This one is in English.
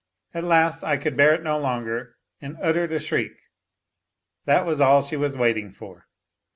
At last I could bear it no longer, and uttered a shriek that was all she was waiting for